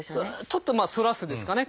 ちょっとまあ「反らす」ですかね。